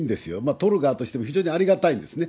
撮る側としても非常にありがたいんですね。